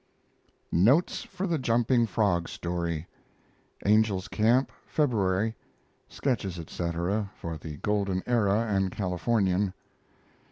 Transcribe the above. Notes for the Jumping Frog story; Angel's Camp, February. Sketches etc., for the Golden Era and Californian.